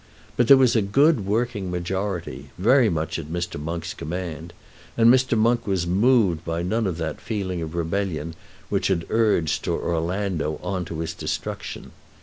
But there was a good working majority, very much at Mr. Monk's command, and Mr. Monk was moved by none of that feeling of rebellion which had urged Sir Orlando on to his destruction.